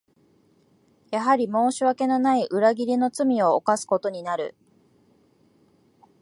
やはり申し訳のない裏切りの罪を犯すことになる